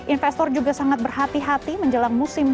investor juga sangat berhati hati menjelang musim